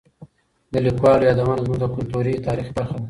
د لیکوالو یادونه زموږ د کلتوري تاریخ برخه ده.